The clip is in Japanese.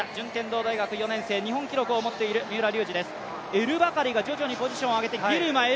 エルバカリが徐々にポジションを上げてきました。